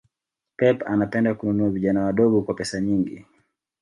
Pep anapenda kununua vijana wadogo kwa pesa nyingi